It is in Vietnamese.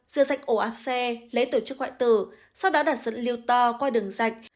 rửa sạch ổ áp xe lấy tổ chức hoại tử sau đó đặt dẫn lưu to qua đường sạch